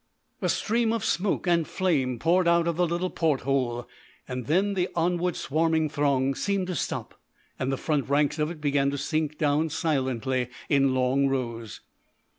A stream of smoke and flame poured out of the little port hole, and then the onward swarming throng seemed to stop, and the front ranks of it began to sink down silently in long rows.